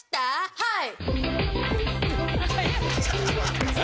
はい！